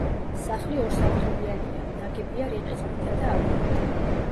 სახლი ორსართულიანია ნაგებია რიყის ქვითა და აგურით.